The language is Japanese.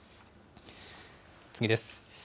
次です。